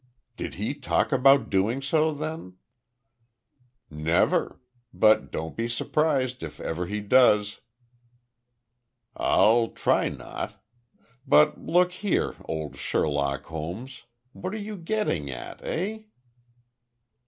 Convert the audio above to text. "Did he talk about doing so, then?" "Never. But, don't be surprised if ever he does." "I'll try not. But look here, old Sherlock Holmes. What are you getting at? Eh?"